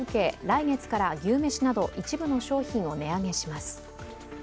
来月から牛めしなど一部の商品を値上げします。